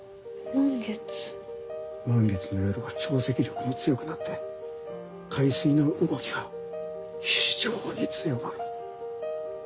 満月の夜は潮汐力も強くなって海水の動きが非常に強まる。